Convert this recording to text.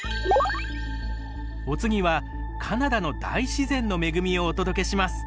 お次はカナダの大自然の恵みをお届けします。